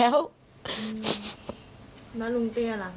แล้วลุงเตี้ยล่ะเขาอยากจะบอกอะไรเขา